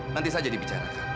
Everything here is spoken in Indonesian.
nanti saja dibicarakan